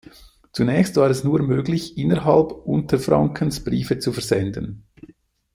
Zunächst war es nur möglich, innerhalb Unterfrankens Briefe zu versenden.